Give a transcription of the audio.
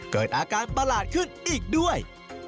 เกิดอาการประหลาดขึ้นอีกด้วย